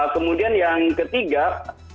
kemudian yang ketiga ya kekuatan masyarakat